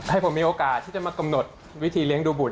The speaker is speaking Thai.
ให้ผมมีโอกาสที่จะมากำหนดวิธีเลี้ยงดูบุต